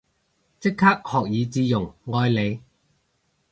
即刻學以致用，愛你